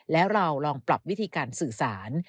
แล้วเราลองปรับวิธีการสื่อสาร